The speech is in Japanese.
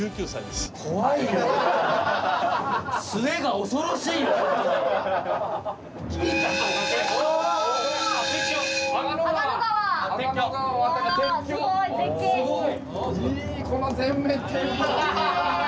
すごい。